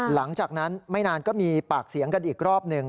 หลังจากนั้นไม่นานก็มีปากเสียงกันอีกรอบหนึ่ง